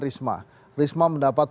risma risma mendapat